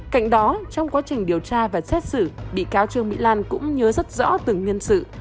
cạnh đó trong quá trình điều tra và xét xử bị cáo trương mỹ lan cũng nhớ rất rõ từng nhân sự